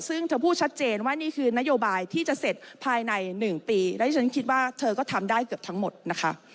ซึ่งเธอพูดชัดเจนว่านี่คือนโยบายที่จะเสร็จภายใน๑ปีแล้วที่ฉันคิดว่าเธอก็ทำได้เกือบทั้งหมดนะคะ